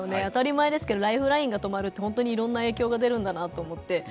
当たり前ですけどライフラインが止まるって本当にいろんな影響が出るんだなと思って。